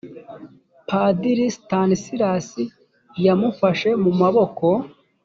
padiri stanislas yamufashe mu maboko